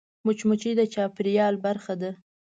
مچمچۍ د چاپېریال برخه ده